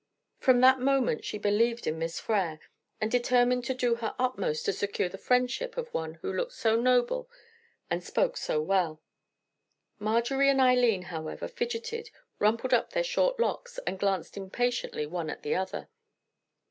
From that moment she believed in Miss Frere, and determined to do her utmost to secure the friendship of one who looked so noble and spoke so well. Marjorie and Eileen, however, fidgeted, rumpled up their short locks, and glanced impatiently one at the other.